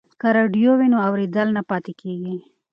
که راډیو وي نو اورېدل نه پاتې کیږي.